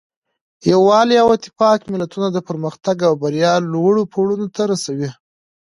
یووالی او اتفاق ملتونه د پرمختګ او بریا لوړو پوړونو ته رسوي.